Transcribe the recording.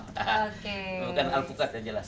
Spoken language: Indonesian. bukan al fuqat yang jelas